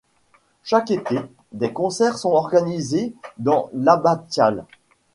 Chaque été, des concerts sont organisés dans l'abbatiale.